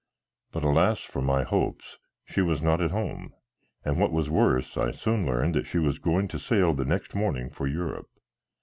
But alas for my hopes, she was not at home; and, what was worse, I soon learned that she was going to sail the next morning for Europe.